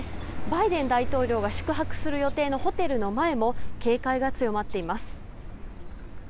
バイデン大統領が宿泊する予定のホテルの前も警戒が強まっています。